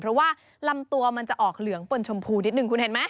เพราะว่าลำตัวมันจะออกเหลืองปนชมพูนิดหนึ่งคุณเห็นไหม